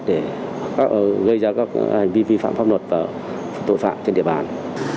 để gây ra các hành vi vi phạm pháp luật và tội phạm trên địa bàn